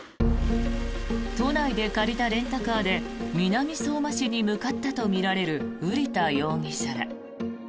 都内で借りたレンタカーで南相馬市に向かったとみられる瓜田容疑者ら。